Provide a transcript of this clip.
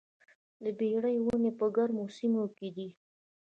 د بیر ونې په ګرمو سیمو کې دي؟